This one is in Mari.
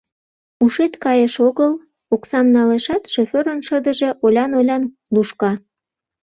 — Ушет кайыш огыл? — оксам налешат, шофёрын шыдыже олян-олян лушка.